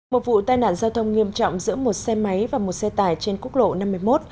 một vụ tai nạn giao thông nghiêm trọng giữa một xe máy và một xe tải trên quốc lộ năm mươi một